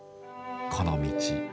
「この道」。